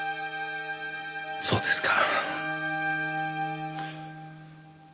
そうですか。